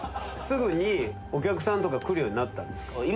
すぐにお客さんとか来るようになったんですか？